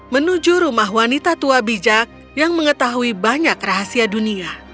menuju rumah wanita tua bijak yang mengetahui banyak rahasia dunia